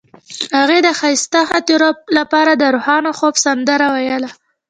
هغې د ښایسته خاطرو لپاره د روښانه خوب سندره ویله.